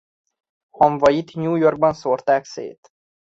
Hamvait New York-ban szórták szét.